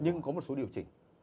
nhưng có một số điều chỉnh